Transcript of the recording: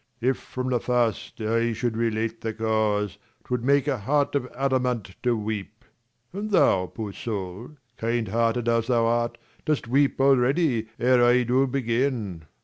If from the first I should relate the cause, 1 40 'T would make a heart of adamant to weep ; And thou, poor soul, kind hearted as thou art, Dost weep already, ere I do begin.